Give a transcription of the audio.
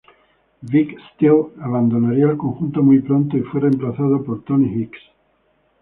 Vick Steel abandonaría el conjunto muy pronto, y fue reemplazado por Tony Hicks.